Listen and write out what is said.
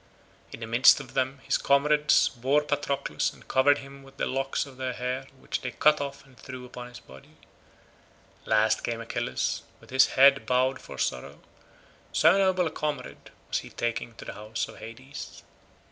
In the midst of them his comrades bore Patroclus and covered him with the locks of their hair which they cut off and threw upon his body. Last came Achilles with his head bowed for sorrow, so noble a comrade was he taking to the house of Hades.